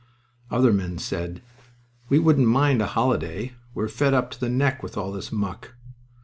Other men said: "We wouldn't mind a holiday. We're fed up to the neck with all this muck."